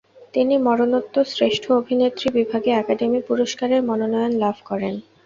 তিনি মরণোত্তর শ্রেষ্ঠ অভিনেত্রী বিভাগে একাডেমি পুরস্কারের মনোনয়ন লাভ করেন।